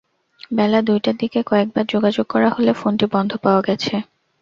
বেলা দুইটার দিকে কয়েকবার যোগাযোগ করা হলে ফোনটি বন্ধ পাওয়া গেছে।